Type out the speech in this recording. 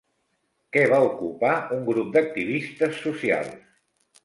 Què va ocupar un grup d'activistes socials?